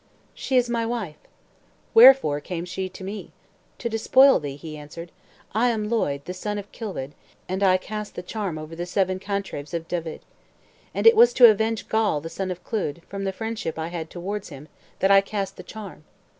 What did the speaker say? "She is my wife." "Wherefore came she to me?" "To despoil thee," he answered. "I am Lloyd, the son of Kilwed, and I cast the charm over the seven cantrevs of Dyved. And it was to avenge Gawl, the son of Clud, from the friendship I had towards him, that I cast the charm.